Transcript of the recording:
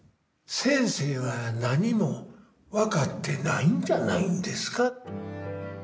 先生は何も分かってないんじゃないんですか。